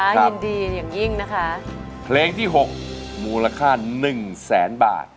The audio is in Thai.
ยินดีอย่างยิ่งนะคะเพลงที่หกมูลค่าหนึ่งแสนบาท